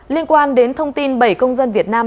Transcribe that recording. liên quan đến thông tin bảy công dân việt nam